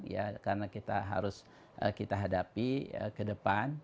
ya karena kita harus kita hadapi ke depan